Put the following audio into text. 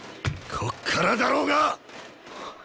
こっからだろうが！